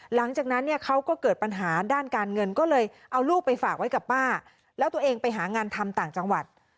หลังจากนั้นเนี่ยเขาก็เกิดปัญหาด้านการเงินก็เลยเอาลูกไปฝากไว้กับป้าแล้วตัวเองไปหางานทำต่างจังหวัด